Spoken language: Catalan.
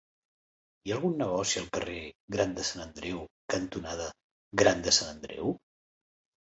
Hi ha algun negoci al carrer Gran de Sant Andreu cantonada Gran de Sant Andreu?